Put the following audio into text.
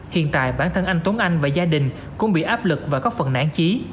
hiện tại bản thân anh tuấn anh và gia đình cũng bị áp lực và có phần nản chí